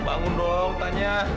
bangun dong tanya